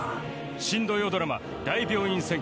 新土曜ドラマ『大病院占拠』